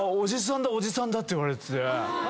「おじさんだ」って言われてて。